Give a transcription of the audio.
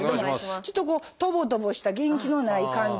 ちょっとこうとぼとぼした元気のない感じ。